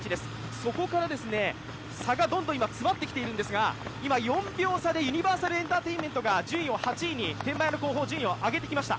そこから差がどんどん今、詰まってきているんですが、今、４秒差でユニバーサルエンターテインメントが順位を８位に上げてきました。